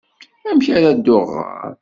Amek ara dduɣ ɣer...?